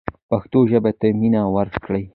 پښتو ژبې ته مینه ورکړئ.